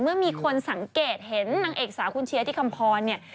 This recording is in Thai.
เมื่อมีคนสังเกตเห็นนางเอกสาวคุณเชียร์ที่คำพรเนี่ย